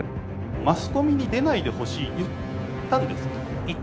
マスコミに出ないでほしいと言ったんですか。